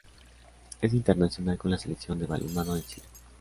Es internacional con la Selección de balonmano de Chile.